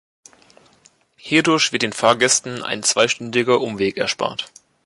Hierdurch wird den Fahrgästen ein zweistündiger Umweg erspart.